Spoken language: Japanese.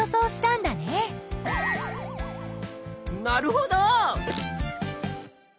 なるほど！